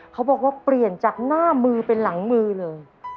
เขาบอกว่าเปลี่ยนจากหน้ามือเป็นหลังมือเลย